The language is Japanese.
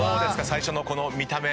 最初のこの見た目。